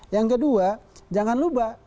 yang kedua jangan lupa